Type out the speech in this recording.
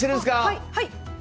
はい！